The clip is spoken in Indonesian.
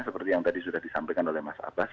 seperti yang tadi sudah disampaikan oleh mas abbas